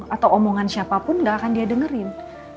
atau omongan siapapun nggak akan dia dengerin